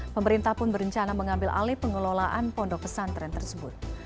pemerintah pun berencana mengambil alih pengelolaan pondok pesantren tersebut